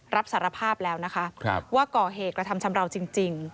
รับสารภาพแล้วนะคะว่าก่อเหตุกระทำชำราวจริง